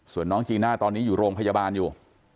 ส่วนน้องจีน่าตอนนี้อยู่โรงพยาบาลอยู่